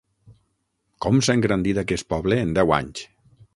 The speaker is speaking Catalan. Com s'ha engrandit aquest poble, en deu anys!